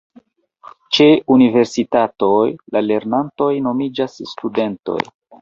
Ĉe universitatoj la lernantoj nomiĝas studentoj.